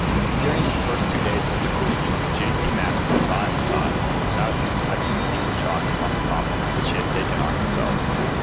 During his first two days of seclusion J.T. Maston thought and thought, without even touching the piece of chalk, upon the problem which he had taken on himself.